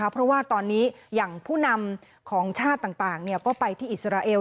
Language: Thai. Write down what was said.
เพราะว่าตอนนี้อย่างผู้นำของชาติต่างก็ไปที่อิสราเอล